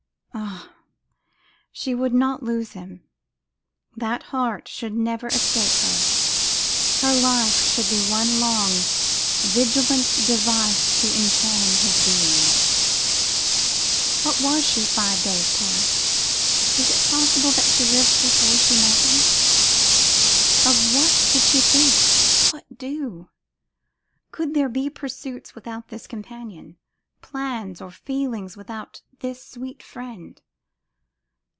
Ah! she would not lose him. That heart should never escape her. Her life should be one long vigilant device to enchain his being. What was she five days past? Is it possible that she lived before she met him? Of what did she think, what do? Could there be pursuits without this companion, plans or feelings without this sweet friend?